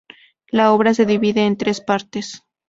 La obra se divide en tres partes.